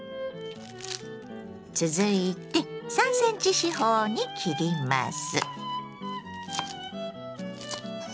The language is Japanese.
続いて３ｃｍ四方に切ります。